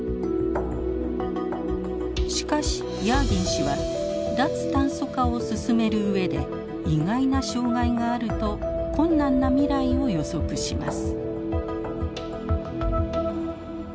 しかしヤーギン氏は脱炭素化を進める上で意外な障害があると困難な未来を予測します。